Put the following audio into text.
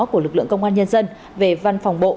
của lực lượng công an nhân dân về văn phòng bộ